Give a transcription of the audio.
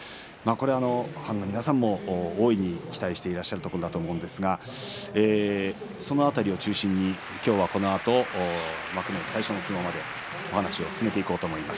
ファンの皆さんも大いに期待してらっしゃるところだと思いますがその辺りを中心に今日はこのあと幕内最初の相撲までお話を進めていこうと思います。